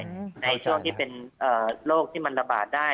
ในช่วงที่เป็นโรคที่มันระบาดได้